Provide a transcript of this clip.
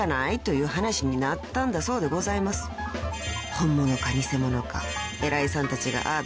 ［本物か偽物か偉いさんたちがああだ